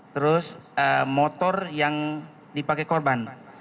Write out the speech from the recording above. terus motor yang dipakai korban